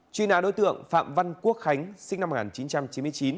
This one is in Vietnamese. truy nã đối tượng phạm văn quốc khánh sinh năm một nghìn chín trăm chín mươi chín